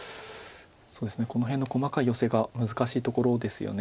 この辺の細かいヨセが難しいところですよね